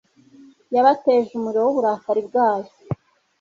Yabateje umuriro w’uburakari bwayo